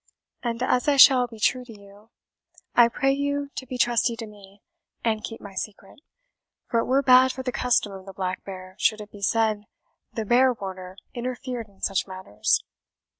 And as I shall be true to you, I pray you to be trusty to me, and keep my secret; for it were bad for the custom of the Black Bear should it be said the bear warder interfered in such matters.